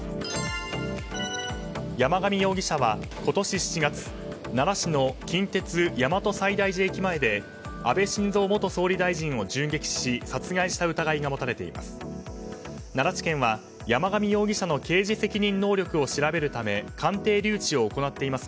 山上容疑者は今年７月奈良市の近鉄大和西大寺駅前で安倍晋三元総理大臣を銃撃し殺害した疑いが持たれています。